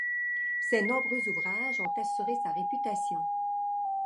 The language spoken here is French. Ses nombreux ouvrages ont assuré sa réputation.